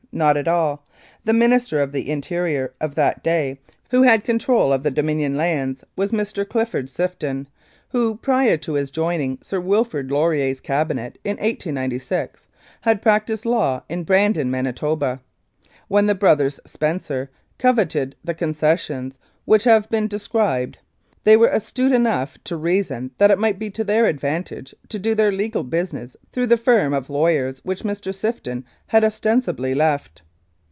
Not at all ! The Minister of the Interior of that day, who had control of the Dominion 155 Mounted Police Life in Canada Lands, was Mr. Clifford Sifton, who prior to his join ing Sir Wilfrid Laurier's Cabinet in 1896 had prac tised law in Brandon, Manitoba. When the brothers Spencer coveted the concessions which have been de scribed they were astute enough to reason that it might be to their advantage to do their legal business through the firm of lawyers which Mr. Sifton had ostensibly left.